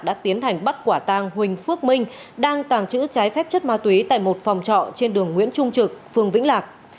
đã tiến hành bắt quả tang huỳnh phước minh đang tàng trữ trái phép chất ma túy tại một phòng trọ trên đường nguyễn trung trực phường vĩnh lạc